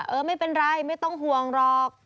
เออไม่เป็นไรไม่ต้องห่วงหรอก